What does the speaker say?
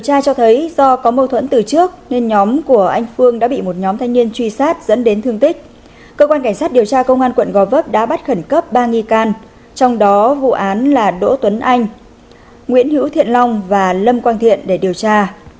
cảnh sát điều tra công an quận gò vấp đã bắt khẩn cấp ba nghi can trong đó vụ án là đỗ tuấn anh nguyễn hữu thiện long và lâm quang thiện để điều tra